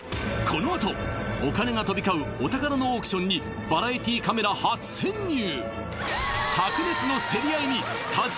このあとお金が飛び交うお宝のオークションにバラエティーカメラ初潜入